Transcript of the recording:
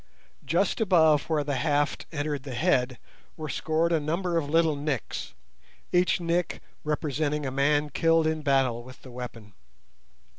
Just above where the haft entered the head were scored a number of little nicks, each nick representing a man killed in battle with the weapon.